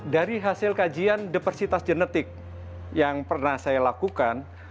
dari hasil kajian depersitas genetik yang pernah saya lakukan